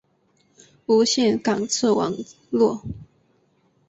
无线感测网路。